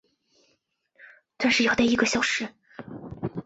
但是要待一个小时